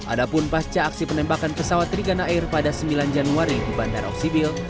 ada pun pasca aksi penembakan pesawat trigana air pada sembilan januari di bandara oksibil